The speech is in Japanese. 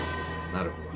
なるほど。